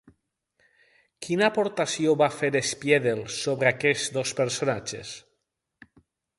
Quina aportació va fer Spiedel sobre aquests dos personatges?